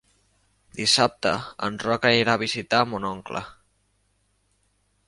Dissabte en Roc anirà a visitar mon oncle.